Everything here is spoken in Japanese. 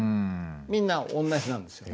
みんな同じなんですよ。